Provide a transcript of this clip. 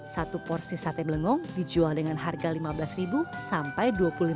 satu porsi sate blengong dijual dengan harga rp lima belas sampai rp dua puluh lima